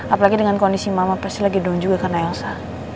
apalagi dengan kondisi mama pasti lagi down juga karena elsa